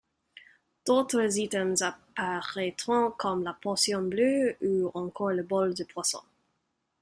D’autres items apparaîtront, comme la potion bleue, ou encore le bol de poissons.